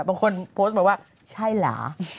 บางคนโพสต์หมายว่าใช่ล่ะ